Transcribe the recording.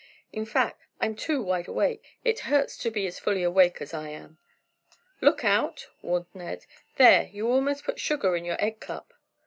"In fact, I'm too wideawake. It hurts to be as fully awake as I am!" "Look out!" warned Ned, "there, you almost put sugar in your egg cup!"